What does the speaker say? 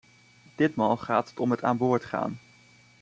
Ditmaal gaat het om het aan boord gaan.